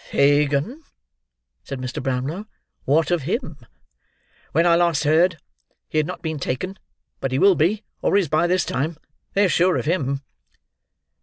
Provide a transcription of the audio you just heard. "Fagin," said Mr. Brownlow; "what of him?" "When I last heard, he had not been taken, but he will be, or is, by this time. They're sure of him."